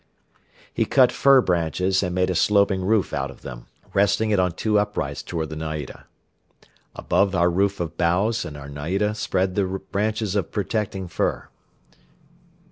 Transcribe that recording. He cut fir branches and made a sloping roof out of them, resting it on two uprights toward the naida. Above our roof of boughs and our naida spread the branches of protecting fir.